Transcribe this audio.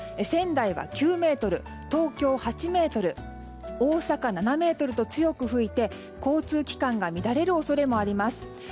仙台は９メートル東京８メートル大阪７メートルと強く吹いて交通機関が乱れる恐れもあります。